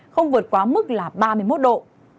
không vượt quá mức là ba mươi một độ